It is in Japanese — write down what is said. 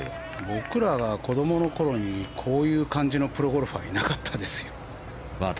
僕らが子供のころにこういう感じのプロゴルファーはいなかったですよ。